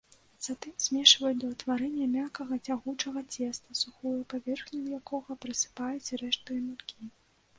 Затым змешваюць да ўтварэння мяккага, цягучага цеста, сухую паверхню якога прысыпаюць рэштай мукі.